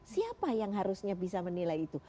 siapa yang harusnya bisa menilai itu